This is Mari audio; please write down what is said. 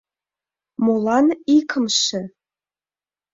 — Молан икымше?